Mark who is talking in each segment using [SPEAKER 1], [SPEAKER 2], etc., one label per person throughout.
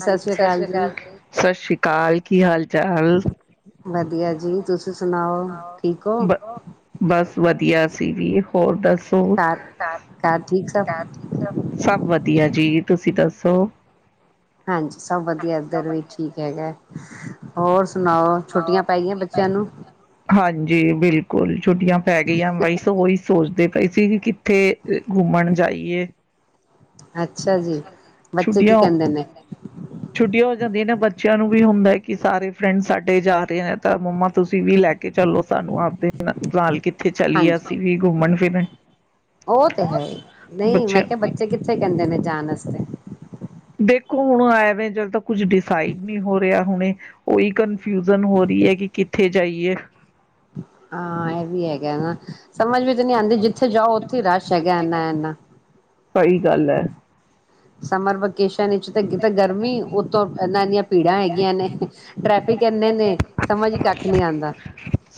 [SPEAKER 1] ਹਾਂਜੀ ਸਤਿ ਸ੍ਰੀ ਅਕਾਲ ਜੀ-ਸਤਿ ਸ੍ਰੀ ਅਕਾਲ ਕੀ ਹਾਲ- ਚੱਲ
[SPEAKER 2] ਵਧੀਆ ਜੀ ਤੁਸੀਂ ਸੁਣਾਓ ਠੀਕ ਹੋ
[SPEAKER 1] ਸੁ ਬਸ ਵਧੀਆ ਸੀ ਵੀ ਇਹ ਹੋਰ ਦੱਸ
[SPEAKER 2] ਘਰ ਘਰ ਠੀਕ ਸਭ
[SPEAKER 1] ਸਭ ਵਧੀਆ ਜੀ ਤੁਸੀਂ ਦੱਸੋ
[SPEAKER 2] ਹਾਂਜੀ ਸਭ ਵਧੀਆ ਇੱਧਰ ਵੀ ਠੀਕ ਹੈਗਾ ਹੋਰ ਸੁਣਾਓ ਛੁੱਟੀਆਂ ਪੈ ਗਈਆਂ ਬੱਚਿਆਂ ਨੂੰ
[SPEAKER 1] ਹਾਂਜੀ ਬਿਲਕੁਲ ਕੋਲ ਛੁੱਟੀਆਂ ਪੈ ਗਈਆਂ ਬਾਈ ਉਹੀ ਸੋਚਦੇ ਕਈ ਸੀ ਵੀ ਕਿੱਥੇ ਘੁੰਮਣ ਜਾਈਏ
[SPEAKER 2] ਅੱਛਾ ਜੀ ਬੱਚੇ ਕੀ
[SPEAKER 1] ਛੁੱਟੀਆਂ
[SPEAKER 2] ਕਹਿੰਦੇ ਨੇ
[SPEAKER 1] ਛੁੱਟੀਆਂ ਹੋ ਬੱਚਿਆਂ ਨੂੰ ਵੀ ਹੁੰਦਾ ਕਿ ਸਾਰੇ ਫਰੈਂਡ ਸਾਡੇ ਡੇ ਜਾ ਰਹੇ ਨੇ ਤਾਂ ਮੰਮਾ ਤੁਸੀਂ ਵੀ ਲੈ ਕੇ ਚਲੋ ਸਾਨੂੰ ਆਪਦੇ ਨਾਲ ਕਿੱਥੇ ਚਲੀਏ ਅਸੀਂ ਵੀ
[SPEAKER 2] ਹਾਂਜੀ
[SPEAKER 1] ਘੁੰਮਣ ਫਿਰਨ
[SPEAKER 2] ਉਹ ਤੇ ਹੈ ਨਹੀਂ
[SPEAKER 1] ਬੱਚੇ
[SPEAKER 2] ਮੈਂ ਕਿਹਾ ਬੱਚੇ ਕਿੱਥੇ ਕਹਿੰਦੇ ਨੇ ਜਾਣ ਵਾਸਤੇ
[SPEAKER 1] ਦੇਖੋ ਹੁਣ ਆਵੇਂ ਜਦ ਤਾਂ ਕੁਝ ਡਿਸਾਈਡ ਨਹੀਂ ਹੋ ਰਿਹਾ ਹੁਣੇ ਉਹੀ ਕਨਫਿਊਜਨ ਹੋ ਰਹੀ ਹੈ ਕਿ ਕਿੱਥੇ ਜਾਈਏ
[SPEAKER 2] ਹਾਂ ਇਹ ਵੀ ਹੈਗਾ ਸਮਝ ਵਿੱਚ ਨੀ ਆਉਂਦੀ ਜਿੱਥੇ ਜਾਓ ਉੱਥੇ ਹੀ ਰਸ਼ ਹੈਗਾ ਇੰਨਾ ਇਨਾ
[SPEAKER 1] ਸਹੀ ਗੱਲ ਹੈ
[SPEAKER 2] ਸਮਰ ਵਕੇਸ਼ਨ ਕਿਤੇ ਗਰਮੀ ਉੱੋਂ ਨਾਨ [inaudible] ਨੇ ਸਮਝ ਹੀ ਕੱਖ ਨਹੀਂ ਆਉਂਦਾ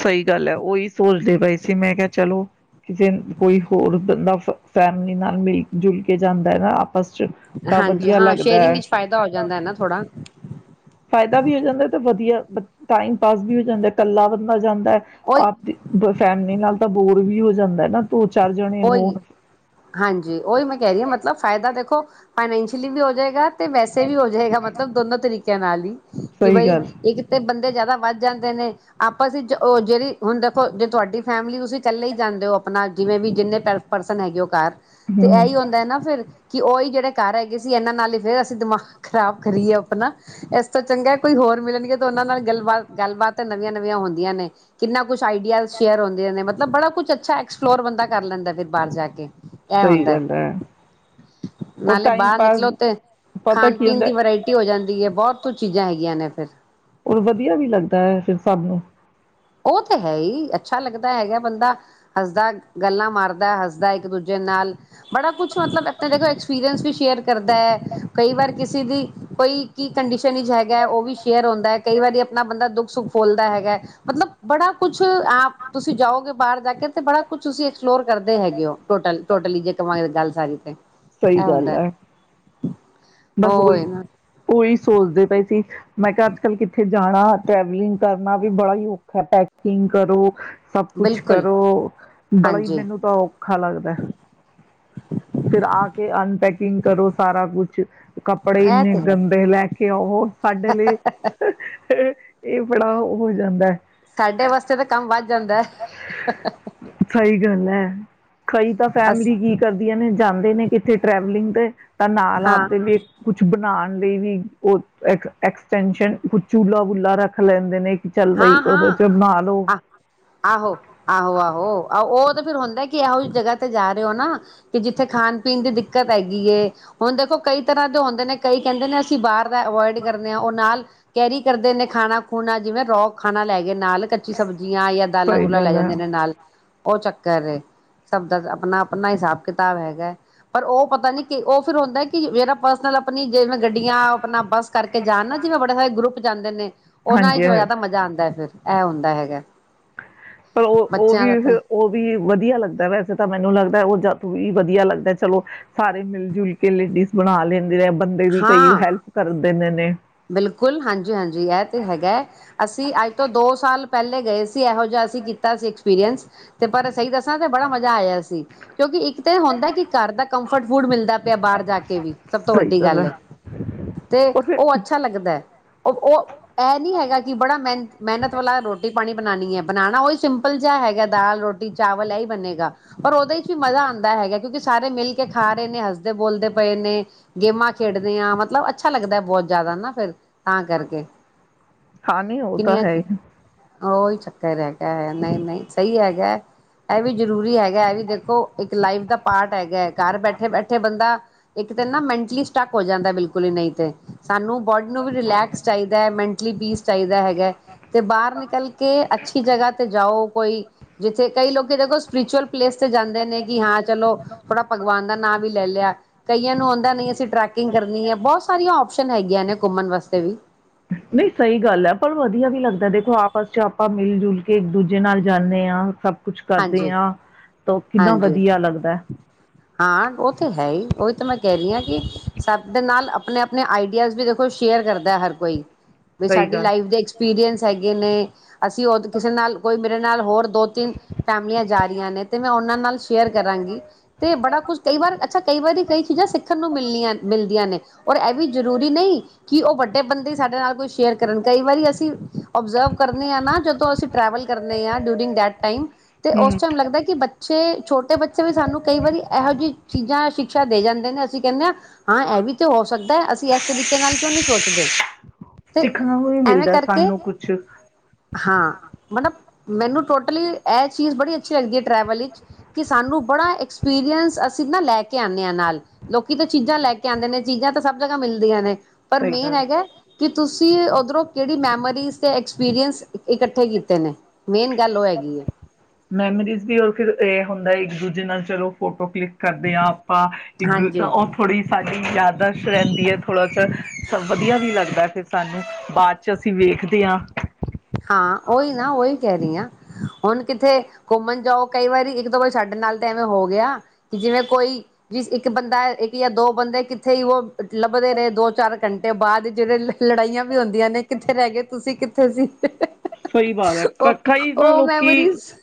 [SPEAKER 1] ਸਹੀ ਗੱਲ ਹੈ ਉਹੀ ਸੋਚਦੇ ਵੈਸੇ ਮੈਂ ਕਿਹਾ ਚਲੋ ਕਿਸੇ ਕੋਈ ਹੋਰ ਬੰਦਾ ਫੈਮਲੀ ਨਾਲ ਮਿਲ ਜੁਲ ਕੇ ਜਾਂਦਾ ਹੈ ਨਾ ਆਪਸ ਚ ਤਾਂ
[SPEAKER 2] ਹਾਂਜੀ
[SPEAKER 1] ਵਧੀਆ
[SPEAKER 2] ਹਾਂ
[SPEAKER 1] ਲੱਗਦਾ
[SPEAKER 2] ਸ਼ੇਅਰਿੰਗ
[SPEAKER 1] ਹੈ
[SPEAKER 2] ਵਿੱਚ ਫਾਇਦਾ ਹੋ ਜਾਂਦਾ ਹੈ ਨਾ ਥੋੜ੍ਹਾ
[SPEAKER 1] ਫਾਇਦਾ ਵੀ ਹੋ ਜਾਂਦਾ ਤੇ ਵਧੀਆ ਟਾਈਮ ਪਾਸ ਵੀ ਹੋ ਜਾਂਦਾ ਇਕੱਲਾ ਬੰਦਾ ਜਾਂਦਾ
[SPEAKER 2] ਉਹੀ
[SPEAKER 1] ਆਪਦੀ ਫੈਮਲੀ ਨਾਲ ਤਾਂ ਬੋਰ ਵੀ ਹੋ ਜਾਂਦਾ ਨਾ ਦੋ ਚਾਰ ਜਣੇ
[SPEAKER 2] ਉਹੀ
[SPEAKER 1] ਹੋਣ
[SPEAKER 2] ਹਾਂਜੀ ਉਹੀ ਮੈਂ ਕਹਿ ਰਹੀ ਹਾਂ ਮਤਲਬ ਫਾਇਦਾ ਦੇਖੋ ਫਾਈਨੈਂਸ਼ੀਅਲੀ ਵੀ ਹੋ ਜਾਏਗਾ ਤੇ ਵੈਸੇ ਵੀ ਹੋ ਜਾਏਗਾ ਮਤਲਬ ਦੋਨੋ ਤਰੀਕੇ ਕੇੈਨਾਲੀ ਕਿ
[SPEAKER 1] ਸਹੀ
[SPEAKER 2] ਬਈ
[SPEAKER 1] ਗੱਲ ਹ
[SPEAKER 2] ਇੱਕ ਤੇ ਬੰਦੇ ਜਿਆਦਾ ਵੱਧ ਜਾਂਦੇ ਨੇ ਆਪਾਂ ਅਂ ਉਹ ਜਿਹੜੀ ਹੁਣ ਦੇਖੋ ਜੇ ਤੁਹਾਡੀ ਫੈਮਿਲੀ ਤੁਸੀਂ ਇਕੱਲੇ ਹੀ ਜਾਂਦੇ ਹੋ ਆਪਣਾ ਜਿਵੇਂ ਵੀ ਜਿੰਨੇ ਸੈਲਫ ਪਰਸਨ ਹੈਗੇ ਉਹ ਕਾਰ ਤੇ
[SPEAKER 1] ਹਮ
[SPEAKER 2] ਇਹੀ ਹੁੰਦਾ ਹੈ ਨਾ ਫਿਰ ਕਿ ਉਹਹੀ ਜਿਹੜੇ ਘਰ ਹੈਗੇ ਸੀ ਇਹਨਾਂ ਨਾਲ ਹੀ ਫੇਰ ਅਸੀਂ ਦਿਮਾਗ ਖਰਾਬ ਕਰੀਏ ਆਪਣਾ ਇਸ ਤੋਂ ਚੰਗਾ ਕੋਈ ਹੋਰ ਮਿਲਣਗੇ ਉਹਨਾਂ ਨਾਲ ਗੱਲਬਾਤ ਗੱਲਬਾਤ ਨਵੀਆਂ ਨਵੀਆਂ ਹੁੰਦੀਆਂ ਨੇ ਕਿੰਨਾ ਕੁ ਕੁਛ ਆਈਡਿਆ ਸ਼ੇਅਰ ਹੁੰਦੇ ਨੇ ਮਤਲਬ ਬੜਾ ਕੁਛ ਅੱਛਾ ਐਕਸਪਲੋਰ ਬੰਦਾ ਕਰ ਲੈਂਦਾ ਫਿਰ ਬਾਹਰ ਜਾ ਕੇ ਇਹ
[SPEAKER 1] ਸਹੀ
[SPEAKER 2] ਹੁੰਦਾ ਹੈ
[SPEAKER 1] ਗੱਲ ਉਹ
[SPEAKER 2] ਨਾਲੇ
[SPEAKER 1] ਟਾਈਮ
[SPEAKER 2] ਬਾਹਰ
[SPEAKER 1] ਪਾਸ
[SPEAKER 2] ਨਿਕਲੋ ਤੇ
[SPEAKER 1] ਪਤਾ
[SPEAKER 2] ਖਾਣ
[SPEAKER 1] ਕੀ
[SPEAKER 2] ਪੀਣ
[SPEAKER 1] ਹੁੰਦਾ
[SPEAKER 2] ਦੀ ਵਰਾਇਟੀ ਹੋ ਜਾਂਦੀ ਹੈ ਬਹੁਤ ਤੋਂ ਚੀਜ਼ਾਂ ਹੈਗੀਆਂ ਨੇ ਫ਼ਿਰ
[SPEAKER 1] ਔਰ ਵਧੀਆ ਵੀ ਲੱਗਦਾ ਹੈ ਫਿਰ ਸਭ ਨੂੰ
[SPEAKER 2] ਉਹ ਤਾਂ ਹੈ ਹੀ ਅੱਛਾ ਲੱਗਦਾ ਹੈਗਾ ਬੰਦਾ ਹੱਸਦਾ ਗੱਲਾਂ ਮਾਰਦਾ ਹੱਸਦਾ ਇੱਕ ਦੂਜੇ ਨਾਲ ਬੜਾ ਕੁਛ ਮਤਲਬ ਆਪ ਦੇਖੋ ਐਕਸਪੀਰੀਅੰਸ ਵੀ ਸ਼ੇਅਰ ਕਰਦਾ ਹੈ ਕਈ ਵਾਰ ਕਿਸੇ ਦੀ ਕੋਈ ਕੀ ਕੰਡੀਸ਼ਨ ਹੈਗਾ ਉਹ ਵੀ ਸ਼ੇਅਰ ਹੁੰਦਾ ਹੈ ਕਈ ਵਾਰੀ ਆਪਣਾ ਬੰਦਾ ਦੁੱਖ ਸੁੱਖ ਫੋਲਦਾ ਹੈਗਾ। ਮਤਲਬ ਬੜਾ ਕੁਛ ਆਪ ਤੁਸੀਂ ਜਾਓਗੇ ਬਾਹਰ ਜਾ ਕੇ ਤੇ ਬੜਾ ਕੁਛ ਤੁਸੀਂ ਐਕਸਪਲੋਰ ਕਰਦੇ ਹੈਗੇ ਹੋ ਟੋਟਲ ਟੋਟਲੀ ਜੇ ਕਾਂਗੇ ਗੱਲ ਸਾਰੀ ਤੇ। ਇਹ
[SPEAKER 1] ਸਹੀ ਗੱਲ
[SPEAKER 2] ਹੁੰਦਾ
[SPEAKER 1] ਹੈ ਬਸ ਉਹੀ
[SPEAKER 2] ਉਹਏ ਨਾ
[SPEAKER 1] ਉਹੀ ਸੋਚਦੇ ਪਏ ਸੀ। ਮੈਂ ਕਿਹਾ ਅੱਜ ਕੱਲ੍ਹ ਕਿੱਥੇ ਜਾਣਾ ਟਰੈਵਲਿੰਗ ਕਰਨਾ ਵੀ ਬੜਾ ਹੀ ਔਖਾ ਹੈ ਪੈਕਿੰਗ ਕਰੋ ਸਭ ਕੁਛ
[SPEAKER 2] ਬਿਲਕੁਲ
[SPEAKER 1] ਕਰੋ ਬੜਾ ਹੀ
[SPEAKER 2] ਹਾਂਜੀ
[SPEAKER 1] ਮੈਨੂੰ ਤਾਂ ਔਖਾ ਲੱਗਦਾ ਫਿਰ ਆ ਕੇ ਅਨਪੈਕਿੰਗ ਕਰੋ ਸਾਰਾ ਕੁਛ ਕੱਪੜੇ
[SPEAKER 2] ਇਹ
[SPEAKER 1] ਇੰਨੇ
[SPEAKER 2] ਤੇ ਹੈ
[SPEAKER 1] ਗੰਦੇ ਲੈ ਕੇ ਆਓ ਸਾਡੇ ਲਈ ਇਹ ਬੜਾ ਹੋ ਜਾਂਦਾ ਹੈ।
[SPEAKER 2] ਸਾਡੇ ਵਾਸਤੇ ਤਾਂ ਕੰਮ ਵੱਧ ਜਾਂਦਾ
[SPEAKER 1] ਸਹੀ ਗੱਲ ਹੈ ਕਈ ਤਾਂ
[SPEAKER 2] ਅ
[SPEAKER 1] ਫੈਮਿਲੀ ਕੀ ਕਰਦੀਆਂ ਨੇ ਕਿੱਥੇ ਟਰੈਵਲਿੰਗ ਤੇ ਤਾਂ ਨਾਲ
[SPEAKER 2] ਹਾਂ
[SPEAKER 1] ਆਪਦੇ ਵੀ ਕੁਛ ਬਣਾਣ ਲਈ ਵੀ ਉਹ ਐਕਸਟੈਸ਼ਨ ਚੁਲਾ ਬੁਲਾ ਰੱਖ ਲੈਂਦੇ ਨੇ। ਚੱਲ ਬਈ
[SPEAKER 2] ਹਾਂ
[SPEAKER 1] ਉਹਦੇ
[SPEAKER 2] ਹਾਂ
[SPEAKER 1] ਚ ਬਣਾ ਲਓ
[SPEAKER 2] ਆ ਆਹੋ ਆਹੋ ਆਹੋ ਆਹੋ ਉਹ ਤੇ ਫਿਰ ਹੁੰਦਾ ਕਿ ਇਹੋ ਜਿਹੀ ਜਗ੍ਹਾ ਤੇ ਜਾ ਰਹੇ ਹੋ ਨਾ ਕਿ ਜਿੱਥੇ ਖਾਣ ਪੀਣ ਦੀ ਦਿੱਕਤ ਹੈਗੀ ਏ ਹੁਣ ਦੇਖੋ ਕਈ ਤਰ੍ਹਾਂ ਦੇ ਹੁੰਦੇ ਨੇ ਕਈ ਕਹਿੰਦੇ ਨੇ ਅਸੀਂ ਬਾਹਰ ਦਾ ਅਵੋਇਡ ਕਰਦੇ ਹਾਂ ਉਹ ਨਾਲ ਕੈਰੀ ਕਰਦੇ ਨੇ ਖਾਣਾ ਖੂਣਾ ਜਿਵੇਂ ਰੋਕ ਖਾਣਾ ਲੈ ਗਏ। ਨਾਲ ਕੱਚੀ ਸਬਜ਼ੀਆਂ ਜਾਂ ਦਾਲਾਂ
[SPEAKER 1] ਸਹੀ
[SPEAKER 2] ਦੁਲਾ ਲੈ
[SPEAKER 1] ਗੱਲ ਹੈ।
[SPEAKER 2] ਜਾਂਦੇ ਨੇ ਨਾਲ ਉਹ ਚੱਕਰ ਸਭ ਦਾ ਆਪਣਾ ਆਪਣਾ ਹਿਸਾਬ ਕਿਤਾਬ ਹੈਗਾ ਪਰ ਉਹ ਪਤਾ ਨੀ ਉਹ ਫਿਰ ਹੁੰਦਾ ਕਿ ਜਿਹੜਾ ਪਰਸਨਲ ਆਪਣੀ ਜਿਵੇ ਗੱਡੀਆਂ ਆਪਣਾ ਬੱਸ ਕਰਕੇ ਜਾਣ ਨਾ ਜਿਵੇੈਂ ਬੜੇ ਸਾਰੇ ਗਰੁੱਪ ਜਾਂਂਦੇ ਨੇ।
[SPEAKER 1] ਹਾਂਜੀ
[SPEAKER 2] ਆਦਾ ਫਿਰ ਇਹ ਹੁੰਦਾ ਹੈਗਾ।
[SPEAKER 1] ਪਰ ਉਹ ਉਹ
[SPEAKER 2] ਬੱਚਿਆਂ
[SPEAKER 1] ਵੀ
[SPEAKER 2] ਦਾ ਤਾਂ
[SPEAKER 1] ਉਹ ਵੀ ਵਧੀਆ ਲੱਗਦਾ ਵੈਸੇ ਤਾਂ ਮੈਨੂੰ ਲੱਗਦਾ ਉਹ ਵੀ ਜ਼ਿਆਦਾ ਵਧੀਆ ਲੱਗਦਾ ਚਲੋ ਸਾਰੇ ਮਿਲ ਜੁਲ ਕੇ ਲੇਡੀਜ਼ ਬਣਾ ਲੈਂਦੇ ਨੇ। ਬੰਦੇ ਵੀ ਕਈ
[SPEAKER 2] ਹਾਂ
[SPEAKER 1] ਹੈਲਪ ਕਰ ਦਿੰਦੇ ਨੇ
[SPEAKER 2] ਬਿਲਕੁਲ ਹਾਂਜੀ ਹਾਂਜੀ ਇਹ ਤੇ ਹੈਗਾ ਹੈ ਅਸੀਂ ਅੱਜ ਤੋਂ ਦੋ ਸਾਲ ਪਹਿਲੇ ਗਏ ਸੀ ਇਹੋ ਜਿਹਾ ਅਸੀਂ ਕੀਤਾ ਸੀ ਐਕਸਪੀਰੀਅੰਸ ਤੇ ਪਰ ਸਹੀ ਦੱਸਾਂ ਤੇ ਬੜਾ ਮਜ਼ਾ ਆਇਆ ਸੀ ਕਿਉਂਕਿ ਇੱਕ ਤਾਂ ਇਹ ਹੁੰਦਾ ਕਿ ਘਰ ਦਾ ਕੰਫਰਟ ਫੁਡ ਮਿਲਦਾ ਬਾਹਰ ਜਾ ਕੇ ਵੀ ਸਭ ਤੋਂ ਵੱਡਾ ਗੱਲ ਹੈ ਤੇ ਉਹ ਅੱਛਾ ਲੱਗਦਾ ਉਹ ਉਹ ਇਹ ਨਹੀਂ ਹੈਗਾ ਕਿ ਬੜਾ ਮਿਹਨਤ ਮਿਹਨਤ ਵਾਲਾ ਰੋਟੀ ਪਾਣੀ ਪਾਣੀ ਬਣਾਉਣੀ ਹੈ ਬਣਾਉਣਾ ਉਹੀ ਸਿੰਪਲ ਜਿਹਾ ਹੈਗਾ ਦਾਲ ਰੋਟੀ ਚਾਵਲ ਇਹੀ ਬਣੇਗਾ ਪਰ ਉਹਦੇ ਚ ਵੀ ਮਜ਼ਾ ਆਉਂਦਾ ਹੈਗਾ ਕਿਉਂਕਿ ਸਾਰੇ ਮਿਲ ਕੇ ਖਾ ਰਹੇ ਨੇ ਹੱਸਦੇ ਬੋਲਦੇ ਪਏ ਨੇ ਗੇਮਾਂ ਖੇਡਦੇ ਹਾਂ ਮਤਲਬ ਅੱਛਾ ਲੱਗਦਾ ਬਹੁਤ ਜ਼ਿਆਦਾ ਨਾ ਫਿਰ ਤਾਂ ਕਰਕੇ
[SPEAKER 1] ਹਾਂ ਨਹੀਂੀ ਉਹ ਤਾਂ
[SPEAKER 2] ਕਿੰਨੀਆਂ
[SPEAKER 1] ਹੈ
[SPEAKER 2] ਚ
[SPEAKER 1] ਹੀ
[SPEAKER 2] ਉਹੀ ਚੱਕਰ ਹੈਗਾ ਹੈ ਨਹੀਂ ਨਹੀਂ ਸਹੀ ਹੈਗਾ ਇਹ ਵੀ ਜ਼ਰੂਰੀ ਹੈਗਾ ਹੈ ਵੀ ਦੇਖੋ ਇੱਕ ਲਾਈਫ ਦਾ ਪਾਰਟ ਹੈਗਾ ਹੈ ਘਰ ਬੈਠੇ ਬੈਠੇ ਬੰਦਾ ਇੱਕ ਮੈਂ ਸਟੱਕ ਹੋ ਜਾਂਦਾ ਬਿਲਕੁਲ ਹੀ ਨਹੀਂ ਤੇ ਸਾਨੂੰ ਬੋਡੀ ਨੂੰ ਵੀ ਰਿਲੈਕਸ ਚਾਹੀਦਾ ਹੈ ਮੈਂਟਲੀ ਪੀਸ ਚਾਹੀਦਾ ਹੈਗਾ ਤੇ ਬਾਹਰ ਨਿਕਲ ਕੇ ਅੱਛੀ ਜਗ੍ਹਾ ਤੇ ਜਾਓ ਕੋਈ ਜਿੱਥੇ ਕਈ ਲੋਕ ਦੇਖੋ ਸਪਿਰਿਚੁਅਲ ਪਲੇਸ ਤੇ ਜਾਂਦੇ ਨੇ ਕਿ ਹਾਂ ਚਲੋ ਥੋੜਾ ਭਗਵਾਨ ਦਾ ਨਾਂ ਵੀ ਲੈ ਲਿਆ ਕਈਆਂ ਨੂੰ ਆਉਂਦਾ ਨਹੀਂ ਟਰੈਕਿੰਗ ਕਰਨੀ ਹੈ ਬਹੁਤ ਸਾਰੀਆਂ ਓਪਸ਼ਨ ਹੈਗੀਆਂ ਨੇ ਘੁੰਮਣ ਵਾਸਤੇ ਵੀ
[SPEAKER 1] ਨਹੀਂ ਸਹੀ ਗੱਲ ਹੈ ਪਰ ਵਧੀਆ ਵੀ ਲੱਗਦਾ ਦੇਖੋ ਆਪਸ ਚ ਆਪਾਂ ਮਿਲ ਜੁਲ ਕੇ ਇੱਕ ਦੂਜੇ ਨਾਲ ਜਾਂਦੇ ਹਾਂ ਸਭ ਕੁਛ ਕਰਦੇ
[SPEAKER 2] ਹਾਂਜੀ
[SPEAKER 1] ਹਾਂ ਤਾਂ ਕਿੰਨਾ
[SPEAKER 2] ਹਾਂਜੀ
[SPEAKER 1] ਵਧੀਆ ਲੱਗਦਾ ਹੈ
[SPEAKER 2] ਹਾਂ ਉਹ ਤੇ ਹੈ ਹੀ ਉਹੀ ਤਾਂ ਮੈਂ ਕਹਿ ਰਹੀ ਹਾਂ ਕਿ ਸਭ ਦੇ ਨਾਲ ਆਪਣੇ ਆਪਣੇ ਆਈਡੀਆਜ਼ ਵੀ ਕੁੁ ਸ਼ੇਅਰ ਕਰਦਾ ਹਰ ਕੋਈ ਵੀ
[SPEAKER 1] ਸਹੀ
[SPEAKER 2] ਸਾਡੀ
[SPEAKER 1] ਗੱਲ
[SPEAKER 2] ਲਾਈਫ ਦੇ ਐਕਸਪੀਰੀਅੰਸ ਚਗੇ ਨੇ ਅਸੀਂ ਉਹ ਕਿਸੇ ਨਾਲ ਕੋਈ ਨਾਲ ਹੋਰ ਦੋ ਤਿੰਨ ਫੈਮਲੀਆਂ ਜਾ ਰਹੀਆਂ ਨੇ ਤੇ ਮੈਂ ਉਹਨਾਂ ਨਾਲ ਸ਼ੇਅਰ ਕਰਾਂਗੀ ਤੇ ਬੜਾ ਕੁਛ ਕਈ ਵਾਰ ਅੱਛਾ ਕਈ ਵਾਰੀ ਕਈ ਚੀਜ਼ਾਂ ਸਿੱਖਣ ਨੂੰ ਮਿਲੀਆਂ ਮਿਲਦੀਆਂ ਨੇ ਔਰ ਇਹ ਵੀ ਜ਼ਰੂਰੀ ਨਹੀਂ ਕਿ ਉਹ ਵੱਡੇ ਬੰਦੇ ਸਾਡੇ ਨਾਲ ਕੋਈ ਸ਼ੇਅਰ ਕਰਨ ਕਈ ਵਾਰੀ ਅਸੀਂ ਓਬਜ਼ਰਵ ਕਰਨੇ ਹਾਂ ਨਾ ਜਦੋਂ ਸੋ ਅਸੀਂ ਟਰੈਵਲ ਕਰਨੇ ਹਾਂ ਡਿਊਰਿੰਗ ਦੈਟ ਟਾਈਮ ਤੇ ਉਸ
[SPEAKER 1] ਹੂੰ
[SPEAKER 2] ਟਾਈਮ ਲੱਗਦਾ ਕਿ ਬੱਚ ਛੇ ਛੋਟੇ ਬੱਚੇ ਵੀ ਸਾਨੂੰ ਕਈ ਵਾਰੀ ਇਹੋ ਜਿਹੀ ਚੀਜ਼ਾਂ ਸ਼ਿਕਸ਼ਾ ਦੇ ਜਾਂਦੇ ਨੇ ਅਸੀਂ ਕਹਿੰਦੇ ਹਾਂ ਹਾਂ ਇਹ ਵੀ ਤੇ ਹੋ ਸਕਦਾ ਹੈ ਅਸੀਂ ਇਸ ਤਰੀਕੇ ਨਾਲ ਕਿਉਂ ਨਹੀਂੀ ਸੋਚਦੇ ਤੇ
[SPEAKER 1] ਸਿੱਖਣਾ ਵੀ ਵੀ
[SPEAKER 2] ਐਵੇਂ
[SPEAKER 1] ਮਿਲਦਾ
[SPEAKER 2] ਕਰਕੇ
[SPEAKER 1] ਸਾਨੂੰ ਕੁਛ
[SPEAKER 2] ਹਾਂ ਮਤਲਬ ਮੈਨੂੰ ਟੋਟਲੀ ਇਹ ਚੀਜ਼ ਬੜੀ ਅੱਛੀ ਲੱਗਦੀ ਹੈ ਟਰੈਵਲ ਵਿੱਚ ਕਿ ਸਾਨੂੰ ਬੜਾ ਐਕਸਪੀਰੀਅੰਸ ਅਸੀਂ ਨਾ ਲੈ ਕੇ ਆਉਂਦੇ ਹਾਂ ਨਾਲ ਲੋਕੀ ਤਾਂ ਚੀਜ਼ਾਂ ਲੈ ਕੇ ਆਉਂਦੇ ਨੇ ਚੀਜ਼ਾਂ ਤਾਂ ਸਭ ਜਗ੍ਹਾ ਮਿਲਦੀਆਂ ਨੇ ਪਰ
[SPEAKER 1] ਸਹੀ
[SPEAKER 2] ਮੇਨ
[SPEAKER 1] ਗੱਲ
[SPEAKER 2] ਹੈਗਾ ਕਿ ਤੁਸੀਂ ਉੱਧਰੋਂ ਕਿਹੜੀ ਮੈਮੋਰੀ ਦੇ ਐਕਸਪੀਰਅੰਸ ਇਕੱਠੇ ਕੀਤੇ ਨੇ ਮੇਨ ਗੱਲ ਉਹ ਹੈਗੀ ਹੈ
[SPEAKER 1] ਮੈਮੋਰੀਜ਼ ਵੀ ਰ ਫਿਰ ਇਹ ਹੁੰਦਾ ਇੱਕ ਦੂਜੇ ਨਾਲ ਚਲੋ ਫੋਟੋ ਕਲਿੱਕ ਕਰਦੇ ਹਾਂ ਆਪਾਂ ਇੱਕ ਦੂ
[SPEAKER 2] ਹਾਂਜੀ
[SPEAKER 1] ਉਹ ਥੋੜੀ ਸਾਡੀ ਯਾਦਸ਼ ਰਹਿੰਦੀ ਹੈ ਥੋੜ੍ਹਾ ਵਧੀਆ ਵੀ ਲੱਗਦਾ ਫ ਸਾਨੂੰ ਬਾਅਦ ਚ ਅਸੀਂ ਵੇਖਦੇ ਹਾਂ
[SPEAKER 2] ਹਾਂ ਉਹੀ ਨਾ ਉਹੀ ਕਹਿ ਰਹੀ ਹਾਂ ਹੁਣ ਕਿੱਥੇ ਘੁੰਮਣ ਜਾਓ ਕਈ ਵਾਰੀ ਇੱਕ ਤਾਂ ਕੋਈ ਸਾਡੇ ਨਾਲ ਤਾਂ ਐਵੇਂ ਹੋ ਗਿਆ ਕਿ ਜਿਵੇਂ ਕੋਈ ਵੀ ਇੱਕ ਬੰਦਾ ਇੱਕ ਜਾਂ ਦੋ ਬੰਦੇ ਕਿੱਥੇ ਹੀ ਉਹ ਲੱਭਦੇ ਰਹੇ ਦੋ ਚਾਰ ਘੰਟੇ ਬਾਅਦ ਜਿਹੜੇ ਲੜਾਈਆਂ ਵੀ ਹੁੰਦੀਆਂ ਨੇ ਕਿੱਥੇ ਰਹਿ ਗਏ ਤੁਸੀਂ ਕਿੱਥੇ ਸੀ [unintelligible]
[SPEAKER 1] ਸਹੀ ਬਾਤ ਹੈ
[SPEAKER 2] ਉਹ
[SPEAKER 1] ਕਈ ਨਾ
[SPEAKER 2] ਉਹ
[SPEAKER 1] ਲੋਕੀ
[SPEAKER 2] ਮੈਮੋਰੀਜ਼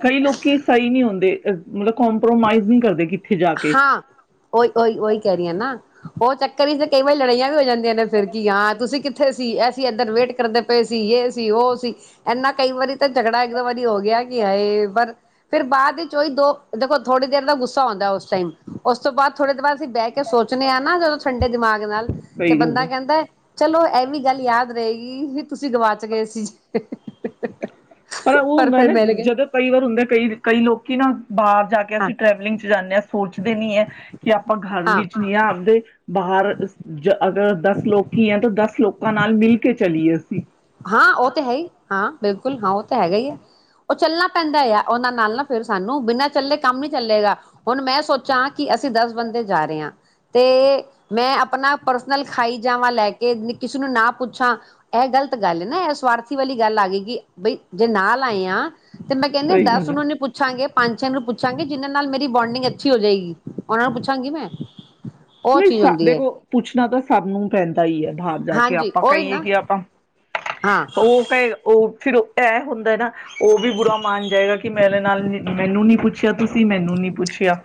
[SPEAKER 1] ਕਈ ਲੋਕੀ ਸਹੀ ਨਹੀਂੀ ਹੁੰਦੇ ਮਤਲਬ ਕੰਪ੍ਰੋਮਾਈਜ਼ ਨਹੀਂੀ ਕਰਦੇ ਕਿੱਥੇ ਜਾ ਕੇ।
[SPEAKER 2] ਹਾਂ ਉਓਹੀ ਉਹੀ ਉਹੀ ਕਹਿ ਰਹੀ ਹ ਨਾ ਉਹ ਚੱਕਰ ਹੀ ਤੇ ਕਈ ਵਾਰੀ ਲੜਾਈਆਂ ਵੀ ਹੋ ਜਾਂਦੀਆਂ ਨੇ ਫਿਰ ਕੀ ਹਾਂ ਤੁਸੀਂ ਕਿ ਥੇ ਸੀ ਅਸੀਂ ਇੱਧਰ ਵੇਟ ਕਰਦੇ ਪਏ ਸੀ ਯ ਸੀ ਉਹ ਸੀ ਇੰਨਾ ਕਈ ਵਾਰੀ ਤਾਂ ਝਗੜਾ ਇੱਕਦਮ ਵਾਰੀ ਹੋ ਗਿਆ ਕੀ ਹੈ ਪਰ ਫੇਿਰ ਬਾਅਦ ਵਿੱਚ ਉਹੀ ਦੋ ਦੇਖੋ ਥੋੜੀ ਦੇਰ ਦਾ ਗੁੱਸਾ ਆਉਂਦਾ ਉਸ ਉਸ ਤੋਂ ਬਾਅਦ ਥੋੜੇ ਦੇ ਬਾਅਦ ਅਸੀਂ ਬਹਿ ਕੇ ਸੋਚਣੇ ਆਾਂ ਨਾ ਜਦੋਂ ਠੰਡੇ ਦਿਮਾਗ ਨਾਲ ਤੇ
[SPEAKER 1] ਸਹੀ ਗੱਲ
[SPEAKER 2] ਬੰਦਾ
[SPEAKER 1] ਹੈ।
[SPEAKER 2] ਕਹਿੰਦਾ ਚਲੋ ਇਹ ਵੀ ਗੱਲ ਯਾਦ ਰਹੇਗੀ ਵੀ ਤੁਸੀਂ ਗਵਾ ਚ ਗਏ ਸੀ
[SPEAKER 1] ਪਰ ਉਹ ਹੁੰਦਾ
[SPEAKER 2] ਫਿਰ
[SPEAKER 1] ਨਾ
[SPEAKER 2] ਮਿਲ ਗਏ
[SPEAKER 1] ਜਦੋਂ ਕਈ ਵਾਰ ਹੁੰਦੇ ਕਈ ਕਈ ਲੋਕੀ ਨਾ ਬਾਹਰ ਜਾ ਕੇ
[SPEAKER 2] ਹਾਂ
[SPEAKER 1] ਅਸੀਂ ਟਰੈਵਲਿੰਗ ਚ ਜਾਂਦੇ ਹਾਂ ਸੋਚਦੇ ਨੀ ਹੈ ਕਿ ਆਪਾਂ ਘਰ
[SPEAKER 2] ਹਾਂ
[SPEAKER 1] ਵਿੱਚ ਨਹੀਂ ਆ ਆਉਂਦੇ ਬਾਹਰ ਜ ਅਗਰ ਦਸ ਲੋਕੀ ਆ ਤਾਂ ਦਸ ਲੋਕਾਂ ਨਾਲ ਮਿਲ ਕੇ ਚਲੀਏ ਅਸੀਂ
[SPEAKER 2] ਹਾਂ ਉਹ ਤੇ ਹੈ ਹੀ ਹਾਂ ਬਿਲਕੁਲ ਹਾਂ ਉਹ ਤਾਂ ਹੈਗਾ ਹੀ ਹੈ ਉਹ ਚੱਲਣਾ ਪੈਂਦਾ ਆ ਉਹਨਾਂ ਨਾਲ ਨਾ ਫਿਰ ਸਾਨੂੰ ਬਿਨਾਂ ਚੱਲੇ ਕੰਮ ਨੀ ਚੱਲੇਗਾ ਹੁਣ ਮੈਂ ਸੋਚਾਂ ਕਿ ਅਸੀਂ ਦਸ ਬੰਦੇ ਜਾ ਰਹੇ ਹਾਂ ਤੇ ਮੈਂ ਆਪਣਾ ਪਰਸ ਨਾਲ ਖਾਈ ਜਾਵਾਂ ਲੈ ਕੇ ਕਿਸੇ ਨੂੰ ਨਾ ਪੁੱਛਾਂ ਇਹ ਗਲਤ ਗੱਲ ਹੈ ਨਾ ਇਹ ਸਵਾਰਥੀ ਵਾਲੀ ਗੱਲ ਆ ਗਈ ਕਿ ਬਈ ਜੇ ਨਾ ਲਾਏ ਆ ਤੇ ਮੈਂ ਕਹਿੰਦੀ
[SPEAKER 1] ਸਹੀ
[SPEAKER 2] ਦੱਸ
[SPEAKER 1] ਗੱਲ ਹੈ।
[SPEAKER 2] ਉਹ ਨੇ ਪੁੱਛਾਂਗੇ ਪੰਜ ਛੇ ਨੂੰ ਪੁੱਛਾਂਗੇ ਜਿਨਾਂ ਨਾਲ ਮੇਰੀ ਬੋਂਡਿੰਗ ਅੱਛੀ ਹੋ ਜਾਏਗੀ ਉਹਨਾਂ ਨੂੰ ਪੁੱਛਾਂਗੀ ਮੈਂ ਉਹ
[SPEAKER 1] ਨਹੀਂ
[SPEAKER 2] ਚੀਜ਼
[SPEAKER 1] ਸਾ
[SPEAKER 2] ਹੁੰਦੀ ਹੈ
[SPEAKER 1] ਦੇਖਲ ਪੁੱਛਣਾ ਤਾਂ ਸਭ ਨੂੰ ਪੈਂਦਾ ਹੀ ਹੈ ਬਾਹਰ ਜਾ ਕੇ
[SPEAKER 2] ਹਾਂਜੀ
[SPEAKER 1] ਆਪਾਂ
[SPEAKER 2] ਉਹੀ
[SPEAKER 1] ਕਹੀਏ
[SPEAKER 2] ਨਾ
[SPEAKER 1] ਕਿ ਆਪਾਂ
[SPEAKER 2] ਹਾਂ
[SPEAKER 1] ਉਹ ਕ ਉਹ ਫਿਰ ਇਹ ਹੁੰਦਾ ਨਾ ਉਹ ਵੀ ਗੁਰ ਮਣ ਜਾਏਗਾ ਕਿ ਮੇਰੇ ਨਾਲ ਮੈਨੂੰ ਨੀ ਕੁੱਛ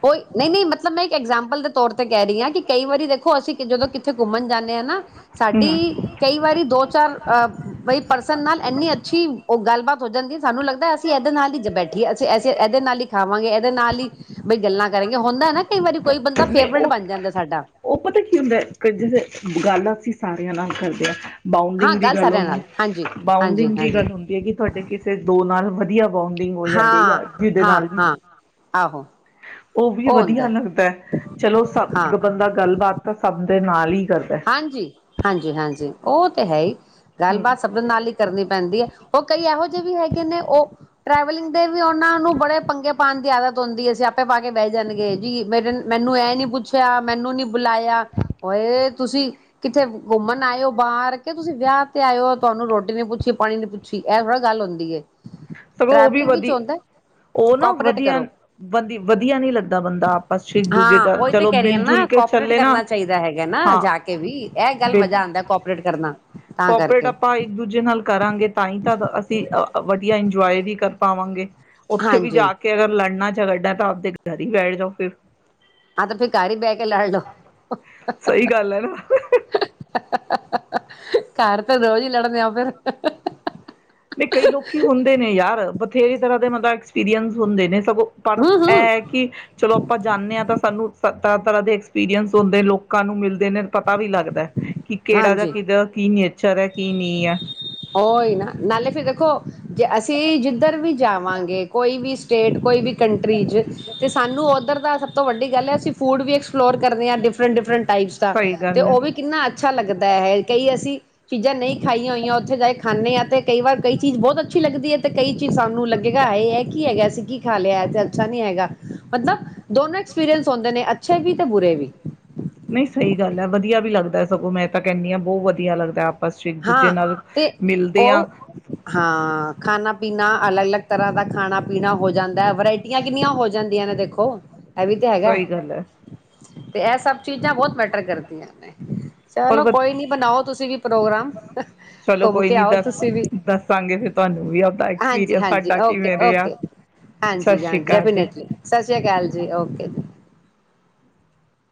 [SPEAKER 2] ਹੋਈ ਨਹੀਂ ਨਹੀਂ ਮਤਲਬ ਮੈਂ ਇੱਕ ਐਗਜਾਮਪਲ ਦੇ ਤੌਰ ਤੇ ਤੇ ਕਹਿ ਰਹੀ ਹਾਂ ਕਿ ਕਈ ਵਾਰੀ ਦੇਖੋ ਅਸੀਂ ਜਦੋਂ ਕਿੱਥੇ ਘੁੰਮਣ ਜਾਂਦੇ ਆ ਨਾ ਸਾਡੀ ਕਈ ਵਾਰੀ ਦੋ ਚਾਰ ਅਹ ਪਰਸਨ ਨਾਲ ਇੰਨੀ ਅੱਛੀ ਉਹ ਗੱਲਬਾਤ ਹੋ ਜਾਂਦੀ ਸਾਨੂੰ ਲੱਗਦਾ ਇਹਦੇ ਨਾਲ ਹੀ ਬੈਠੀ ਅਸੇ ਇਹਦੇ ਨਾਲ ਹੀ ਖਾਵਾਂਗੇ ਨਾਲ ਹੀ ਬਈ ਗੱਲਾਂ ਕਰੇਗਾ ਹੁੰਦਾ ਨਾ ਕਈ ਵਾਰੀ ਕੋਈ ਬੰਦਾ
[SPEAKER 1] ਨਹੀਂ
[SPEAKER 2] ਫੇਵਰੇਟ
[SPEAKER 1] ਉਹ
[SPEAKER 2] ਬਣ ਜਾਂਦਾ ਸਾਡਾ
[SPEAKER 1] ਉਹ ਪਤਾ ਕੀ ਹੁੰਦਾ ਜੇ ਗਾਲਾ ਅਸੀਂ ਸਾਰਿਆਂ ਨਾਲ ਕਰਦੇ ਹਾਂ
[SPEAKER 2] ਹਾਂ
[SPEAKER 1] ਬਾਊਂਡਿੰਗ ਦੀ ਗੱਲ
[SPEAKER 2] ਸਾਰਿਆਂ
[SPEAKER 1] ਹੁੰ
[SPEAKER 2] ਨਾਲ ਹਾਂਜੀ ਹਾਂਜੀ
[SPEAKER 1] ਬਾਊਂਡਿੰਗ ਦੀ
[SPEAKER 2] ਹਾਂਜੀ
[SPEAKER 1] ਗੱਲ ਹੁੰਦੀ ਹੈ ਕਿ ਤੁਹਾਡੇ ਕਿਸੇ ਦੋ ਨਾਲ ਵ ਬੋਂਡਿੰਗ ਹੋ ਜਾਂਦੀ
[SPEAKER 2] ਹਾਂ
[SPEAKER 1] ਜਾ ਜਿਹਦੇ
[SPEAKER 2] ਹਾਂ
[SPEAKER 1] ਨਾਲ ਵੀ
[SPEAKER 2] ਹਾਂ ਆਹੋ
[SPEAKER 1] ਉਹ ਵੀ ਵਧੀਆ ਲੱਗਦਾ ਚਲੋ ਸਭ
[SPEAKER 2] ਹਾਂ
[SPEAKER 1] ਬੰਦਾ ਗੱਲਬਾਤ ਤਾਂ ਸਭ ਦੇ ਨਾਲ ਹੀ ਕਰਦਾ ਹੈ
[SPEAKER 2] ਹਾਂਜੀ ਹਾਂਜੀ ਹਾਂਜੀ ਉਹ ਤੇ ਹੈ
[SPEAKER 1] ਸਗੋਂ
[SPEAKER 2] ਗੱਲਬਾਤ ਸਭ ਨਾਲ ਹੀ ਕਰਨੀ ਪੈਂਦੀ ਹੈ ਉਹ ਕਈ ਇਹੋ ਜਿਹੇ ਵੀ ਹੈਗੇ ਨੇ ਉਹ ਟ੍ਰੈਵਲਿੰਗ ਦੇ ਵੀ ਉਹਨਾਂ ਨੂੰ ਬੜੇ ਪੰਗੇ ਪਾਣ ਦੀ ਆਦਤ ਹੁੰਦੀ ਅਸੀਂ ਆਪੇ ਪਾ ਕੇ ਬਹਿ ਜਾਣਗੇ ਜੀ ਮੇਰੇ ਮੈਨੂੰ ਇਹ ਨੀ ਪੁੱਛਿਆ ਮੈਨੂੰ ਨੀ ਬੁਲਾਇਆ ਇਹ ਤੁਸੀਂ ਕਿੱਥੇ ਘੁੰਮਣ ਆਇਓ ਬਾਹਰ ਕੇ ਤੁਸੀਂ ਵਿਆਹ ਤੇ ਆਇਓ ਤੁਹਾਨੂੰ ਰੋਟੀ ਨੀ ਪੁੱਛੀ ਪਾਣੀ ਨੀ ਪੁੱਛੀ ਇਹ ਥੋੜ੍ਹਾ ਗੱਲ ਹੁੰਦੀ ਹੈ
[SPEAKER 1] ਸਗੋਂ ਉਹ ਵੀ
[SPEAKER 2] ਟਰੈਵਲਿੰਗ ਵਿੱਚ
[SPEAKER 1] ਵਧੀਆ
[SPEAKER 2] ਹੁੰਦਾ
[SPEAKER 1] ਉਹ ਨਾ
[SPEAKER 2] ਕੋਪਰੇਟ
[SPEAKER 1] ਵਧੀਆ
[SPEAKER 2] ਕਰੋ
[SPEAKER 1] ਵ ਵਧੀਆ ਨਹੀਂ ਲੱਗਦਾ ਬੰਦਾ ਆਪਸ ਚ ਇੱਕ ਦੂਜੇ
[SPEAKER 2] ਹਾਂ
[SPEAKER 1] ਦਾ
[SPEAKER 2] ਉਹੀ ਤੇ
[SPEAKER 1] ਚਲੋ
[SPEAKER 2] ਕਹਿ ਰਹੀ
[SPEAKER 1] ਮਿਲ ਜੁਲ
[SPEAKER 2] ਨਾ
[SPEAKER 1] ਕੇ
[SPEAKER 2] ਕੋਪਰੇਟ
[SPEAKER 1] ਚੱਲੇ ਨਾ
[SPEAKER 2] ਕਰਨਾ ਚਾਹੀਦਾ ਹੈਗਾ ਨਾ
[SPEAKER 1] ਹਾਂ
[SPEAKER 2] ਜਾ ਕੇ ਵੀ ਇਹ ਗੱਲ ਮਜ਼ਾ
[SPEAKER 1] ਬਿਲਕੁਲ
[SPEAKER 2] ਆਂਦਾ ਕੋਪਰੇਟ ਕਰਨਾ ਤਾਂ
[SPEAKER 1] ਕੋਪਰੇਟ
[SPEAKER 2] ਕਰਕੇ
[SPEAKER 1] ਆਪਾਂ ਇੱਕ ਦੂਜੇ ਨਾਲ ਕਰਾਂਗੇ ਤਾਂ ਹੀ ਤਾਂ ਅਸੀਂ ਵਧੀਆ ਇ ਜਏ ਵੀ ਕਰ ਪਾਵਾਂਗੇ ਉੱਥੇ ਵੀ
[SPEAKER 2] ਹਾਂਜੀ
[SPEAKER 1] ਜਾ ਕੇ ਅਗਰ ਲੜਨਾ ਝਗੜਨਾ ਤਾਂ ਆਪਦੇ ਘਰ ਹੀ ਬੈਠ ਜਾਓ ਫਿਰ
[SPEAKER 2] ਹਾਂ ਤਾਂ ਫਿਰ ਘਰ ਹੀ ਬੈਠ ਕੇ ਲੜ ਲਓ
[SPEAKER 1] ਸਹੀ ਗੱਲ ਹੈ ਨਾ
[SPEAKER 2] ਘਰ ਤਾਂ ਰੋਜ਼ ਹੀ ਲੜਦੇ ਹੋ ਫਿਰ
[SPEAKER 1] ਵੀ ਕਈ ਲੋਕੀ ਹੁੰਦੇ ਨੇ ਯਾਰ ਤੇਰੀ ਤਰ੍ਹਾਂ ਦੇ ਮਤਬ ਐਕਸਪੀਰੀਅੰਸ ਹੁੰਦੇ ਨੇ ਸਗੋਂ ਪਰ
[SPEAKER 2] ਹੂੰ
[SPEAKER 1] ਇਹ
[SPEAKER 2] ਹੂੰ
[SPEAKER 1] ਹੈ ਕਿ ਚਲੋ ਆਪਾਂ ਜਾਣੇ ਹਾਂ ਤਾਂ ਸਾਨੂੰ ਤਰ੍ਹਾਂ ਤਰ੍ਹਾਂ ਦੇ ਐਕਸਪੀਰੀਅੰਸ ਹੁੰਦੇ ਲੋਕਾਂ ਨੂੰ ਮਿਲਦੇ ਨੇ ਪਤਾ ਵੀ ਲੱਗਦਾ ਕਿ ਕਿਹੜਾ ਜਾਂ
[SPEAKER 2] ਹਾਂਜੀ
[SPEAKER 1] ਕਿਦਾ ਕੀ ਨ ਚਰ ਕੀ ਨਹੀਂ ਆ
[SPEAKER 2] ਉਹੀ ਨਾ ਨਾਲੇ ਫੇਰ ਦੇਖੋ ਜੇ ਅਸੀਂ ਜਿੱਧਰ ਵੀ ਜਾਵਾਂਗੇ ਕੋਈ ਵੀ ਸਟੇਟ ਕੋਈ ਵੀ ਕੰਟਰੀ ' ਤੇ ਸਾਨੂੰ ਉੱਧਰ ਦਾ ਸਭ ਤੋਂ ਵੱਡੀ ਗੱਲ ਹੈ ਅਸੀਂ ਫੂਡ ਵਿ ਐਕਸਪਲੋਰ ਕਰਦੇ ਹਾਂ ਡਿਫਰੈਂਟ ਡਿਫਰੈਂਟ ਟਾਈਪਸ ਦਾ ਤੇ ਉਹ ਵੀ ਕਿੰਨਾ ਅੱਛਾ ਲੱਗਦਾ ਹੈ ਕਈ ਅਸੀਂ ਚੀਜ਼ਾਂ ਨਹੀਂ ਖਾਈਆਂ ਹੋਈਆਂ ਉਥੇ ਜਾਏ ਖਾਂਦੇ ਆ ਤੇ ਕਈ ਵਾਰ ਕਈ ਚੀਜ਼ ਬਹੁਤ ਅੱਛੀ ਲਗਦੀ ਹੈ ਤੇ ਕਈ ਵਾਰ ਕਈ ਚੀਜ਼ ਸਾਨੂੰ ਲੱਗੇਗਾ ਹਾਏ ਇਹ ਕੀ ਹੈਗਾ ਅਸੀਂ ਕੀ ਖਾ ਲਿਆ ਅੱਛਾ ਨੀ ਹੈਗਾ ਮਤਲਬ ਦੋਨੋ ਐਕਸਪੀਰੀਅਸ ਹੁੰਦੇ ਨੇ ਅੱਛੇ ਵੀ ਤੇ ਬੁਰੇ ਵੀ
[SPEAKER 1] ਨਹੀਂ ਸਹੀ ਗੱਲ ਹੈ ਵਧੀਆ ਵੀ ਲੱਗਦਾ ਸਗੋਂ ਮੈਂ ਤਾਂ ਕਹਿੰਦੀ ਹਾਂ ਬਹੁਤ ਵਧੀਆ ਲੱਗਦਾ ਆਪ
[SPEAKER 2] ਹਾਂ ਤੇ ਉਹ ਹਾਂ ਖਾਣਾ ਪੀਣਾ ਅਲੱਗ ਅਲੱਗ ਤਰ੍ਹਾਂ ਦਾ ਖਾਣਾ ਪੀਣਾ ਹੋ ਜਾਂਦਾ ਵਰਾਇਟੀਆਂ ਕਿੰਨੀਆਂ ਹੋ ਜਾਂਦੀਆਂ ਨੇ ਦੇਖੋ ਇਹ ਵੀ ਤਾਂ ਹੈਗਾ
[SPEAKER 1] ਸਹੀ ਗੱਲ ਹੈ
[SPEAKER 2] ਤੇ ਇਹ ਸਭ ਚੀਜ਼ਾਂ ਬਹੁਤ ਮੈਟਰ ਕਰਦੀਆਂ ਨੇ
[SPEAKER 1] ਔਰ
[SPEAKER 2] ਚਲੋ
[SPEAKER 1] ਬ
[SPEAKER 2] ਕੋਈ ਨੀ ਬਣਾਓ ਤੁਸੀਂ ਪ੍ਰੋਗਰਾਮ
[SPEAKER 1] ਚਲੋ
[SPEAKER 2] ਘੁੰਮ
[SPEAKER 1] ਕੋਈ
[SPEAKER 2] ਕੇ
[SPEAKER 1] ਨੀ
[SPEAKER 2] ਆਓ
[SPEAKER 1] ਦੱਸ
[SPEAKER 2] ਤੁਸੀਂ ਵੀ
[SPEAKER 1] ਦੱਸਾਂਗੇ ਫਿਰ ਤੁਹਾਨੂੰ ਵੀ ਆਪਦਾ
[SPEAKER 2] ਹਾਂਜੀ
[SPEAKER 1] ਐਕਸਪੀਰੀਅੰਸ
[SPEAKER 2] ਹਾਂਜੀ
[SPEAKER 1] ਸਾਡਾ
[SPEAKER 2] ਓਕੇ
[SPEAKER 1] ਕਿਵੇਂ ਰਿਹਾ
[SPEAKER 2] ਓਕੇ
[SPEAKER 1] ਸਤਿ
[SPEAKER 2] ਹਾਂਜੀ
[SPEAKER 1] ਸ੍ਰੀ
[SPEAKER 2] ਹਾਂਜੀ
[SPEAKER 1] ਅਕਾਲ ਜੀ।
[SPEAKER 2] ਡੈਫਨੇਟਲੀ ਸਤਿ ਸ੍ਰੀ ਅਕਾਲ ਜੀ ਓਕੇ ਜੀ